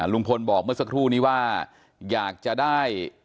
ลุงพลบอกเมื่อสักครู่นี้ว่าอยากจะได้